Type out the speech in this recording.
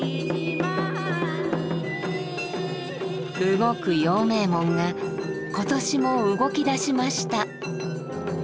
「動く陽明門」が今年も動き出しました。